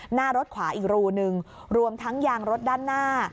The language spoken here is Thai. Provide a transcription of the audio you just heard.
หน้ารถขวาอีกรูนึงรวมทั้งยางรถด้านหน้า